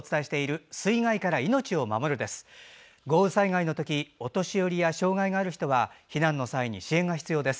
豪雨災害のときお年寄りや障害がある人は避難の際に支援が必要です。